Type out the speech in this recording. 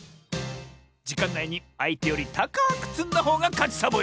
じかんないにあいてよりたかくつんだほうがかちサボよ！